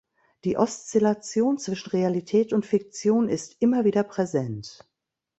Die Oszillation zwischen Realität und Fiktion ist immer wieder präsent.